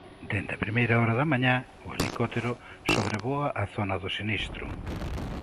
Dende primeira hora da mañá, o helicóptero sobrevoa a zona do sinistro.